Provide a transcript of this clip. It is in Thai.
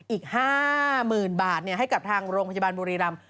อีกห้ามื่นบาทเนี่ยให้กับทางโรงพจาบาลบุรีรำ